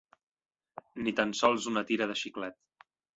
Ni tan sols una tira de xiclet.